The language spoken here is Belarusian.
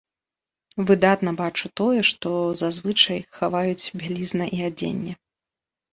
Выдатна бачу тое, што зазвычай хаваюць бялізна і адзенне.